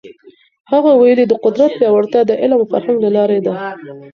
هغه ویلي، د قدرت پیاوړتیا د علم او فرهنګ له لاري ده.